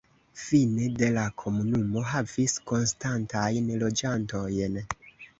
Fine de la komunumo havis konstantajn loĝantojn.